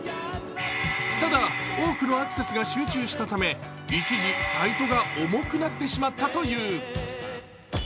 ただ、多くのアクセスが集中したため、一時、サイトが重くなってしまったという。